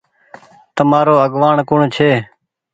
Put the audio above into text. تمآرو آگوآڻ ڪوڻ ڇي۔